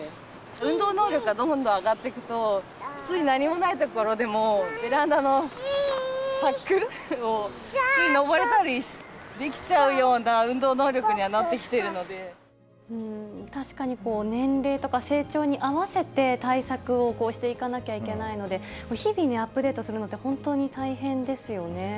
運動能力がどんどん上がっていくと、つい何もない所でも、ベランダの柵に普通に登れたりできちゃうような運動能力にはなっ確かに、年齢とか成長に合わせて、対策をしていかなきゃいけないので、日々、アップデートするのって、本当に大変ですよね。